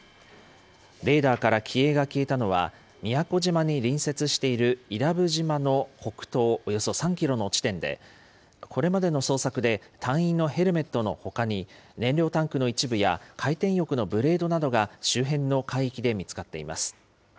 レーダーから機影が消えたのは、宮古島に隣接している伊良部島の北東およそ３キロの地点で、これまでの捜索で、隊員のヘルメットのほかに、燃料タンクの一部や回転翼のブレードなどが周辺の海域で見つかっています。